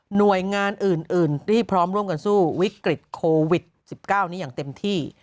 หน่วยงานอื่นที่พร้อมร่วมกันสู้วิกฤตโควิด๑๙นี้อย่างเต็มที่